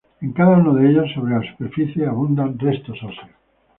En cada uno de ellos, sobre la superficie, abundan restos óseos.